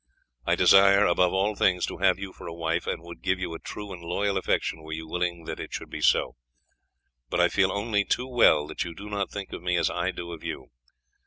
I desire above all things to have you for a wife, and would give you a true and loyal affection were you willing that it should be so, but I feel only too well that you do not think of me as I do of you.